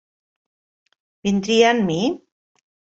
Vindria amb mi?